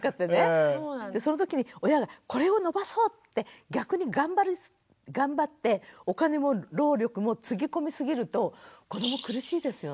その時に親がこれを伸ばそうって逆に頑張ってお金も労力もつぎ込みすぎると子ども苦しいですよね。